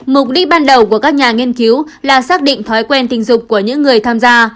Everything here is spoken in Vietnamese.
mục đích ban đầu của các nhà nghiên cứu là xác định thói quen tình dục của những người tham gia